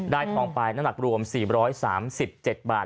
ทองไปน้ำหนักรวม๔๓๗บาท